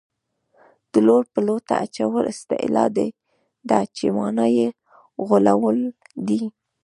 د لور په لوټه اچول اصطلاح ده چې مانا یې غولول دي